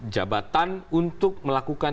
jabatan untuk melakukan